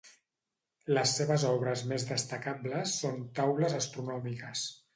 Les seves obres més destacables són taules astronòmiques.